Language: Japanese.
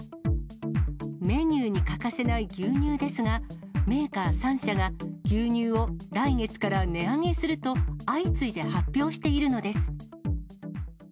メニューに欠かせない牛乳ですが、メーカー３社が牛乳を来月から値上げすると相次いで発表しているのです。